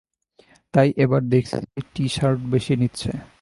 তাই এবার দেখছি টি শার্ট বেশি নিচ্ছে।